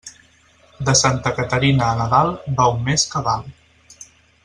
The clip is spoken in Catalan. De Santa Caterina a Nadal va un mes cabal.